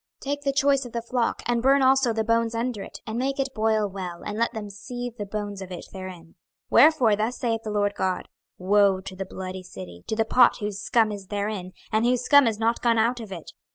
26:024:005 Take the choice of the flock, and burn also the bones under it, and make it boil well, and let them seethe the bones of it therein. 26:024:006 Wherefore thus saith the Lord GOD; Woe to the bloody city, to the pot whose scum is therein, and whose scum is not gone out of it!